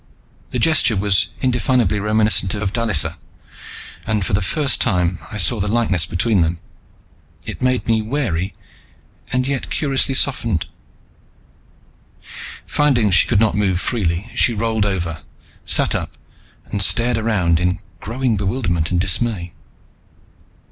The gesture was indefinably reminiscent of Dallisa, and for the first time I saw the likeness between them. It made me wary and yet curiously softened. Finding she could not move freely, she rolled over, sat up and stared around in growing bewilderment and dismay.